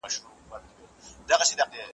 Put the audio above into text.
غلامان دي د بل غولي ته روزلي ,